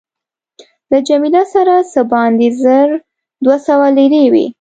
له جميله سره څه باندې زر دوه سوه لیرې وې.